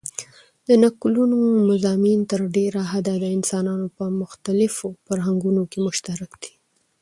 د نکلونو مضامن تر ډېره حده دانسانانو په مختلیفو فرهنګونو کښي مشترک دي.